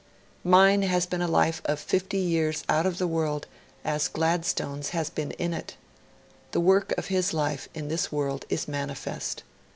'Mine has been a life of fifty years out of the world as Gladstone's has been in it. The work of his life in this world is manifest.